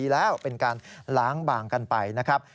ล้างบางกันไปนะครับ